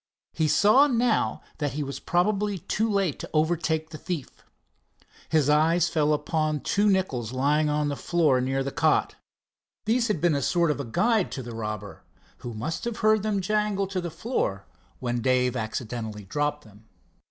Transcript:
He saw now that he was probably too late to overtake the thief. His eyes fell upon two nickels lying on the floor near the cot. These had been a sort of a guide to the robber, who must have heard them jangle to the floor when Dave accidentally dropped them.